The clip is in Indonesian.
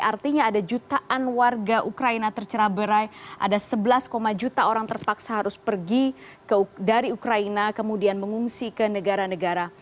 artinya ada jutaan warga ukraina tercera berai ada sebelas juta orang terpaksa harus pergi dari ukraina kemudian mengungsi ke negara negara